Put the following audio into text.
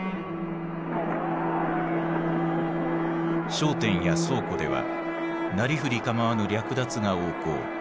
商店や倉庫ではなりふり構わぬ略奪が横行。